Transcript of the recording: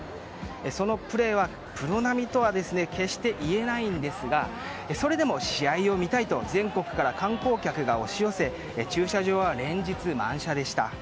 そのプレーはプロ並みとは決して言えないんですがそれでも試合を見たいと全国から観光客が押し寄せ駐車場は連日、満車でした。